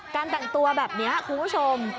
แต่งตัวแบบนี้คุณผู้ชม